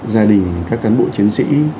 gia đình các cán bộ chiến sĩ